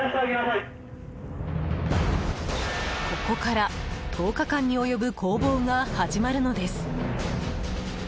ここから１０日間に及ぶ攻防が始まるのです。